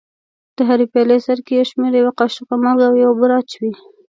د هرې پیالې سرکې پر شمېر یوه کاشوغه مالګه او یوه بوره اچوي.